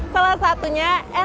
salah satunya es lelepon